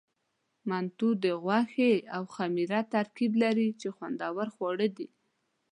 منتو د غوښې او خمیر ترکیب لري، چې خوندور خواړه دي.